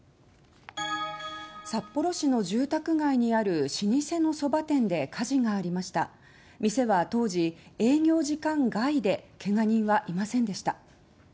札幌市の住宅街にある老舗のそば店で火事があり店は当時営業時間外でけが人はいませんでした。